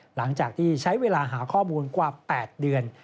หลังจากที่ใช้เวลาหาข้อมูลกว่า๘เดือน